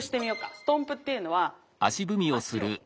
ストンプっていうのは足を。